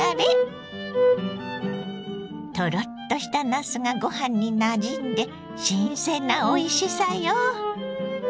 トロッとしたなすがご飯になじんで新鮮なおいしさよ。